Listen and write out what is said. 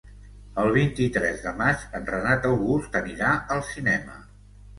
El vint-i-tres de maig en Renat August anirà al cinema.